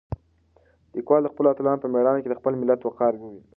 لیکوال د خپلو اتلانو په مېړانه کې د خپل ملت وقار وینه.